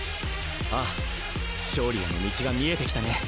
ああ勝利への道が見えてきたね